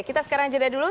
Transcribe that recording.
kita sekarang jeda dulu